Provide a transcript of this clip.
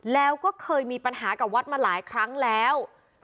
แล้วก็เคยมีปัญหากับวัดมาหลายครั้งแล้ว